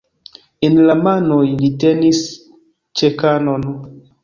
En la manoj li tenis "ĉekanon".